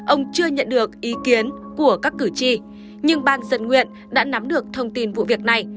ông chưa nhận được ý kiến của các cử tri nhưng ban dân nguyện đã nắm được thông tin vụ việc này